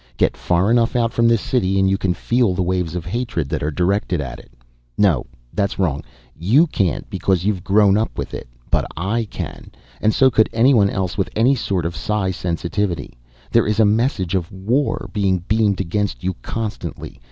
Get far enough out from this city and you can feel the waves of hatred that are directed at it. No, that's wrong you can't because you've grown up with it. But I can, and so could anyone else with any sort of psi sensitivity. There is a message of war being beamed against you constantly.